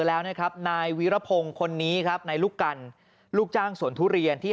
แล้วนะครับนายวีรพงศ์คนนี้ครับนายลูกกันลูกจ้างสวนทุเรียนที่